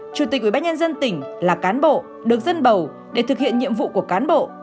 chủ tịch ubnd tỉnh là cán bộ được dân bầu để thực hiện nhiệm vụ của cán bộ